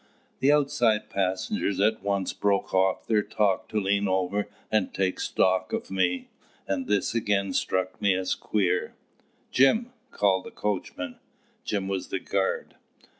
The outside passengers at once broke off their talk to lean over and take stock of me; and this again struck me as queer. "Jim!" called the coachman (Jim was the guard).